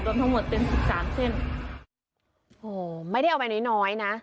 ทั้งหมดเป็นสิบสามเส้นโหไม่ได้เอาไปน้อยน้อยนะ